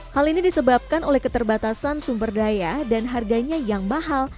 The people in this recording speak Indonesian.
hal ini disebabkan oleh keterbatasan sumber daya dan harganya yang mahal